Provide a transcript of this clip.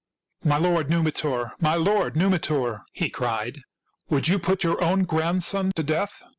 " My lord Numitor, my lord Numitor," he cried, "would you put your own grandson to death?"